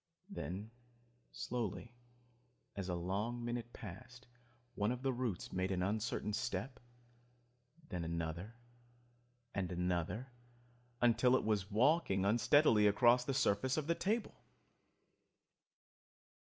Then slowly, as a long minute passed, one of the roots made an uncertain step, then another and another, until it was walking unsteadily across the surface of the table!